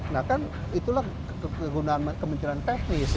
nah kan itulah kegunaan kementerian teknis